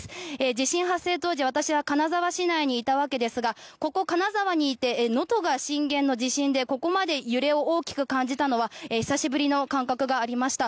地震発生当時私は金沢市内にいたわけですがここ金沢にいて能登が震源の地震でここまで揺れを大きく感じたのは久しぶりの感覚がありました。